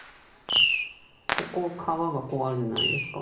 ここ川がこうあるじゃないですか。